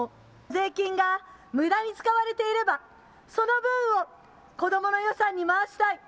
税金がむだに使われていればその分を子どもの予算に回したい。